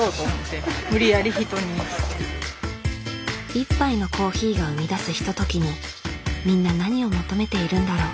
一杯のコーヒーが生み出すひとときにみんな何を求めているんだろう。